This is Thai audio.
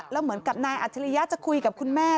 แล้วเหมือนกับนายอัจฉริยะจะคุยกับคุณแม่